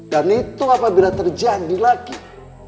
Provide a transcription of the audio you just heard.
dan itu apabila terjadi lagi kami akan proses